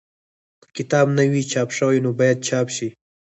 که کتاب نه وي چاپ شوی نو باید چاپ شي.